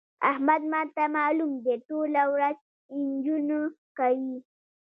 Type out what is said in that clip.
احمد ما ته مالوم دی؛ ټوله ورځ نجونې کوي.